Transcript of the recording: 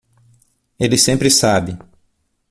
Ele sempre sabe